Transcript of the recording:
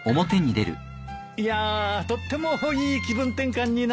いやあとってもいい気分転換になったよ。